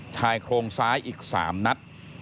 ชายโครงซ้ายอีก๓นัด